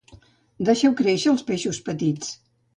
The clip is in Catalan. Deixeu créixer els peixos petits